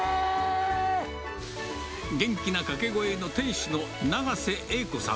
元気な掛け声の店主の永瀬栄子さん